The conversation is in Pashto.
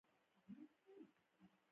ورپسې مسافر یو پښتون درېشي والا و.